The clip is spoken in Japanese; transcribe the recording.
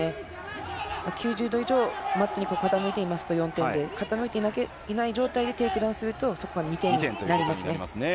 ９０度以上マットに傾いていますと４点で傾いていない状態でテイクダウンするとそこが２点になりますね。